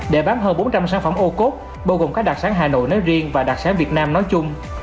để bán hơn bốn trăm linh sản phẩm ô cốt bao gồm các đặc sản hà nội nói riêng và đặc sản việt nam nói chung